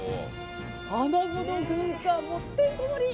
アナゴの軍艦もてんこ盛り。